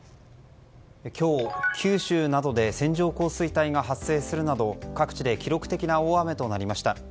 今日、九州などで線状降水帯が発生するなど各地で記録的な大雨となりました。